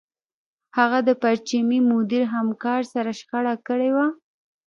هغه د پرچمي مدیر همکار سره شخړه کړې وه